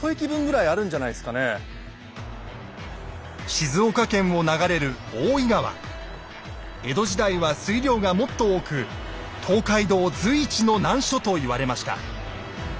静岡県を流れる江戸時代は水量がもっと多く東海道随一の難所と言われました。